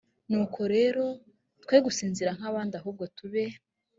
nuko rero twe gusinzira nk abandi ahubwo tube